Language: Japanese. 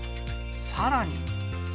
さらに。